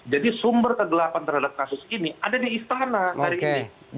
jadi sumber kegelapan terhadap kasus ini ada di istana hari ini